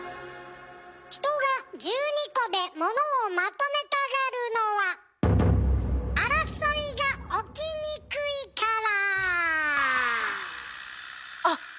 人が１２個で物をまとめたがるのは争いが起きにくいから！